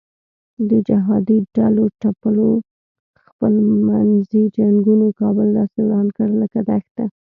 د جهادي ډلو ټپلو خپل منځي جنګونو کابل داسې وران کړ لکه دښته.